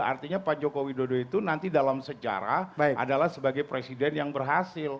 artinya pak joko widodo itu nanti dalam sejarah adalah sebagai presiden yang berhasil